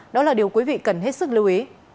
đó là điều quý vị cần hết sức lưu ý